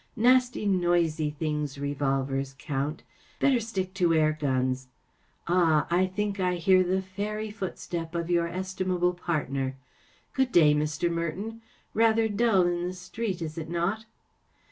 Nasty, noisy things, revolvers, Count. Better stick to air guns. Ah ! I think I hear the fairy, footstep of your estimable partner. Good day, Mr. Merton. Rather dull in the street, is it not